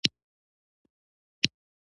زه د رسنیو په مرسته نړۍ پېژنم.